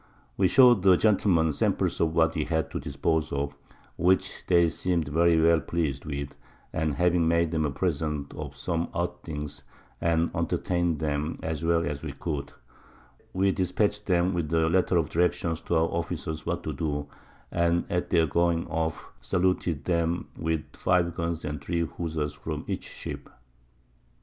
We show'd the Gentlemen Samples of what we had to dispose of, which they seem'd very well pleas'd with, and having made 'em a Present of some odd Things, and entertain'd 'em as well as we could, we dispatch'd 'em with a Letter of Directions to our Officers what to do, and at their going off saluted 'em with 5 Guns and 3 Huzza's from each Ship.